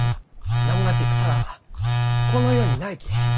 名もなき草らあはこの世にないき。